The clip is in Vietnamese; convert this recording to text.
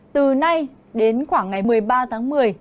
từ nay đến khoảng ngày một mươi ba tháng một mươi